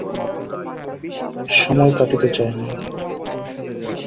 সময় কাটিতে চায় না।